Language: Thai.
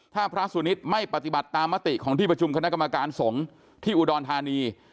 ถ้าพระสุนิทไม่ปฏิบัติตามมติของที่ประชุมคณะกรรมการสงฆ์ที่อุดรธานี